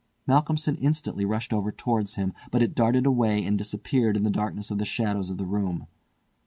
Malcolmson instantly rushed over towards him, but it darted away and disappeared in the darkness of the shadows of the room.